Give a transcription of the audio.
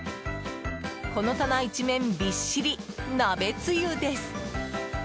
この棚一面びっしり鍋つゆです。